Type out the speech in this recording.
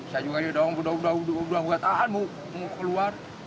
saya juga udah takan mau keluar